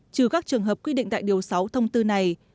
trừ các trường hợp quy định tại điều sáu thông tư này